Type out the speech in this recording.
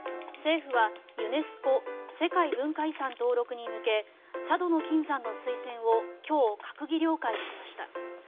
政府はユネスコ世界文化遺産登録に向け佐渡島の金山の推薦を今日、閣議了解しました。